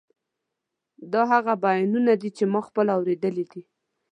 دا هغه بیانونه دي چې ما پخپله اورېدلي دي.